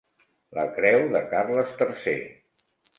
La creu de Carles tercer.